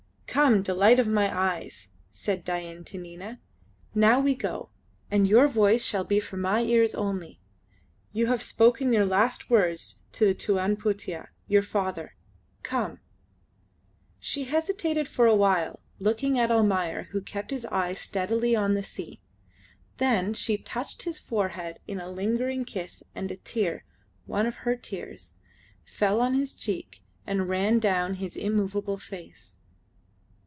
"Come, delight of my eyes," said Dain to Nina. "Now we go, and your voice shall be for my ears only. You have spoken your last words to the Tuan Putih, your father. Come." She hesitated for a while, looking at Almayer, who kept his eyes steadily on the sea, then she touched his forehead in a lingering kiss, and a tear one of her tears fell on his cheek and ran down his immovable face.